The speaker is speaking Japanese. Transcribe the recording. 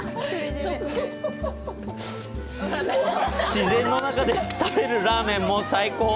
自然の中で食べるラーメンも最高。